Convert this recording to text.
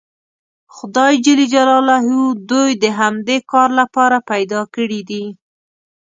خدای دوی د همدې کار لپاره پیدا کړي دي.